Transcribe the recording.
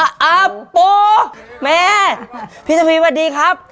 อาปูแม่พี่ทวีสวัสดีครับ